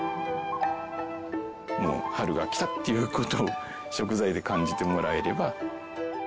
「もう春が来た」っていう事を食材で感じてもらえれば。